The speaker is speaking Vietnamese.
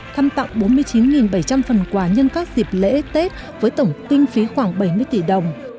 thăm tặng bốn mươi chín bảy trăm linh phần quà nhân các dịp lễ tết với tổng kinh phí khoảng bảy mươi tỷ đồng